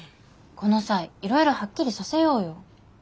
この際いろいろはっきりさせようよ。